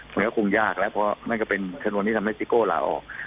มันก็คงยากแล้วเพราะนั่นก็เป็นชนวนที่ทำให้ซิโก้ลาออก